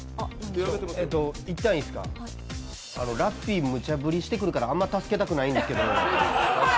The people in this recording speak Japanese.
ラッピーむちゃぶりしてくるから、あんま助けたくないんですけど。